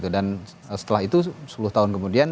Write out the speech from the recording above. dan setelah itu sepuluh tahun kemudian